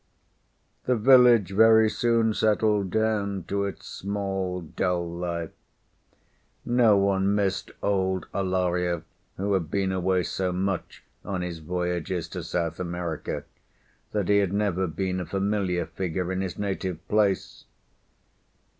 _The village very soon settled down to its small, dull life. No one missed old Alario, who had been away so much on his voyages to South America that he had never been a familiar figure in his native place.